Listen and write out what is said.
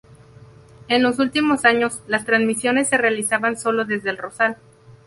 En los últimos años, las transmisiones se realizaban solo desde El Rosal.